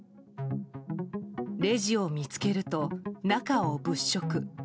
レジを見つけると、中を物色。